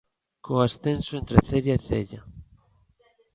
Co ascenso entre cella e cella.